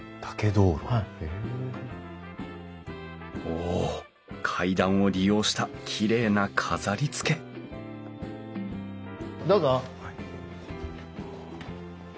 お階段を利用したきれいな飾りつけどうぞ。